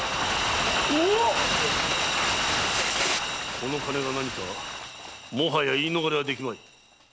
この金が何かもはや言い逃れはできまい。